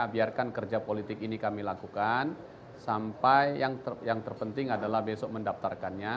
biarkan kerja politik ini kami lakukan sampai yang terpenting adalah besok mendaftarkannya